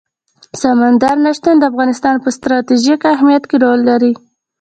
سمندر نه شتون د افغانستان په ستراتیژیک اهمیت کې رول لري.